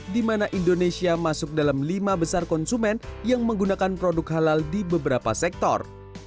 di mana indonesia masuk dalam lima besar konsumen yang menggunakan produk halal di beberapa sektor